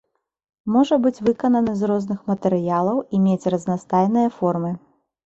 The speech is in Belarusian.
Можа быць выкананы з розных матэрыялаў і мець разнастайныя формы.